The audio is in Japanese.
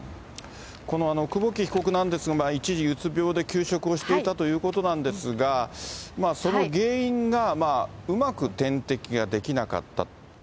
この久保木被告なんですが、一時、うつ病で休職をしていたということなんですが、その原因が、うまく点滴ができなかった。